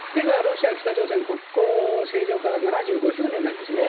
あさってがロシア、北朝鮮国交正常化７５周年なんですね。